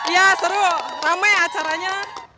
ya seru ramai acaranya